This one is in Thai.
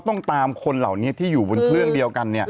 ต้องตามคนเหล่านี้ที่อยู่บนเครื่องเดียวกัน